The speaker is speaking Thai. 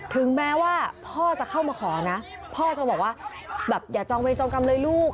ถึงแม้ว่าพ่อจะเข้ามาขอนะพ่อจะบอกว่าแบบอย่าจองเวรจองกรรมเลยลูก